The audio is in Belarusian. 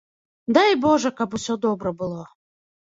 Дай божа, каб усё добра было.